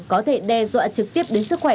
có thể đe dọa trực tiếp đến sức khỏe